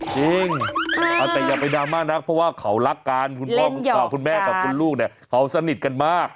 จริงแต่อย่าไปดราม่านักเพราะว่าเขารักกันคุณพ่อคุณแม่กับคุณลูกเนี่ยเขาสนิทกันมาก